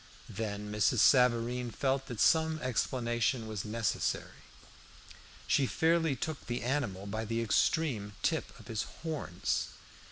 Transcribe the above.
Then Mrs. Savareen felt that some explanation was necessary. She fairly took the animal by the extreme tip of his horns.